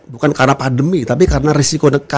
bukan karena pandemi tapi karena resiko